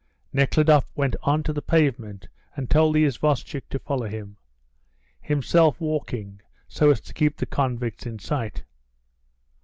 Nekhludoff went on to the pavement and told the isvostchik to follow him; himself walking, so as to keep the convicts in sight.